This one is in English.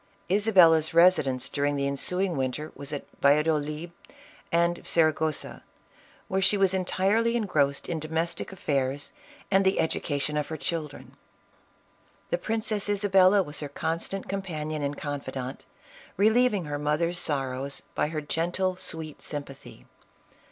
Isabella's residence during the ensuing winter was at Valladolid and Saragossa, where she was entirely en grossed in domestic affairs and the education of her children. The Princess Isabella was her constant com panion and confidant, relieving her mother's sorrows by her gentle, sweet sympathy.